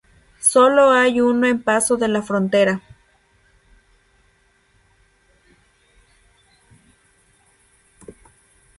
Sólo hay uno en paso de la frontera.